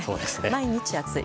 毎日暑い。